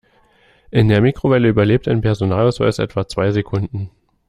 In der Mikrowelle überlebt ein Personalausweis etwa zwei Sekunden.